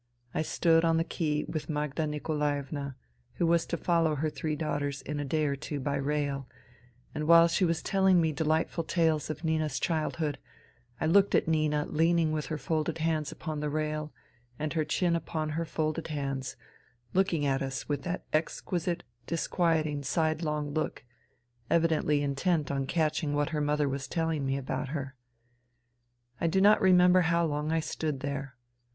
I stood on the quay with Magda Nikolaevna, who was to follow her three daughters in a day or two by rail, and while she was telling me delightful tales of Nina's childhood, I looked at Nina leaning with her folded hands upon the rail and her chin upon her folded hands, looking at us with that exquisite, disquieting side long look, evidently intent on catch ing what her mother was telling me about her. I do not remember how long I stood there.